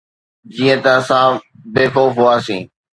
جيئن ته اسان بي خوف هئاسين.